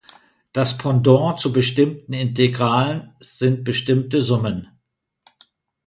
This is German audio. Das Pendant zu bestimmten Integralen sind "bestimmte Summen.